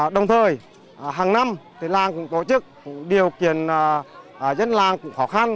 đồng thời hàng năm làng cũng tổ chức điều kiện dân làng cũng khó khăn